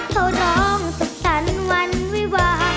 เขาร้องสักสรรค์วันวิวา